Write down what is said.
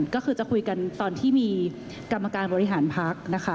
ก็คือจะคุยกันตอนที่มีกรรมการบริหารพักนะคะ